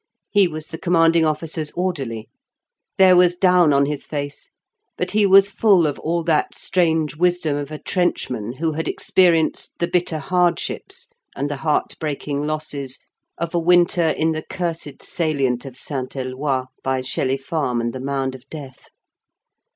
He was the Commanding Officer's orderly. There was down on his face but he was full of all that strange wisdom of a trenchman who had experienced the bitter hardships and the heartbreaking losses of a winter in the cursed salient of St. Eloi, by Shelley Farm and The Mound of Death.